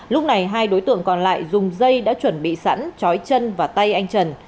lúc này hai đối tượng còn lại dùng dây đã chuẩn bị sẵn chói chân và tay anh trần